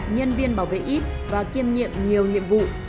nhân viên bảo vệ ít và kiêm nhiệm nhiều nhiệm vụ